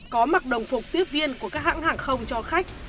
có mặc đồng phục tiếp viên của các hãng hàng không cho khách